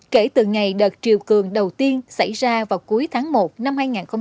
kể từ ngày đợt chiều cường đầu tiên xảy ra vào cuối tháng một năm hai nghìn một mươi sáu